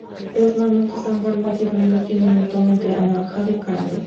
Los mantos ámbar no diluidos tienen un tono entre anaranjado y caramelo.